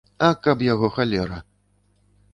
А каб яго халера.